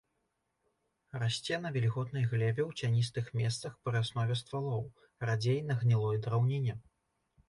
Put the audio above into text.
Расце на вільготнай глебе ў цяністых месцах пры аснове ствалоў, радзей на гнілой драўніне.